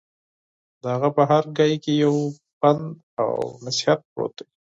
د هغه په هره خبره کې یو پند او نصیحت پروت دی.